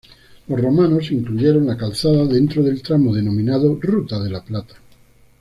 Los romanos incluyeron la calzada dentro del tramo denominado ruta de la plata.